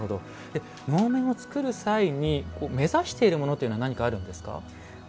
能面を作る際に目指しているものというのは何かあるんですか？